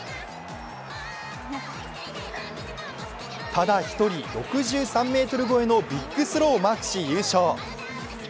ただ一人６３ｍ超えのビッグスローをマークし優勝。